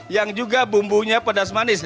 yang juga bumbunya pedas manis